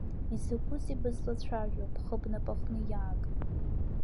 Изакәызеи бызлацәажәо, бхы бнапаҟны иааг!